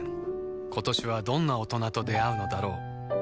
今年はどんな大人と出会うのだろう